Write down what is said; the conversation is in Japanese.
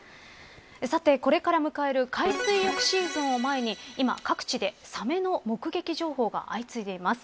さて、これから迎える海水浴シーズンを前に今、各地でサメの目撃情報が相次いでいます。